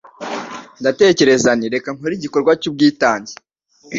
ndatekereza nti reka nkore igikorwa cy'ubwitange